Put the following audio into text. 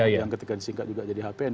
yang ketika disingkat juga jadi hpn